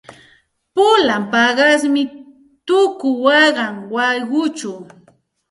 Pulan paqasmi tuku waqan wayquchaw.